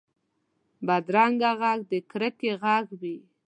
بدرنګه غږ د کرکې غږ وي